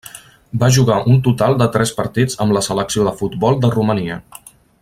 Va jugar un total de tres partits amb la selecció de futbol de Romania.